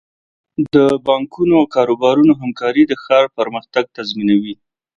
د بانکونو او کاروبارونو همکاري د ښار پرمختګ تضمینوي.